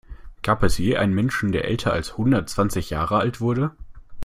Gab es je einen Menschen, der älter als hundertzwanzig Jahre alt wurde?